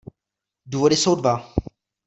Důvody jsou dva.